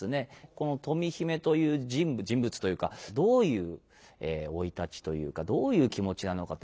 この富姫という人物人物というかどういう生い立ちというかどういう気持ちなのかというのを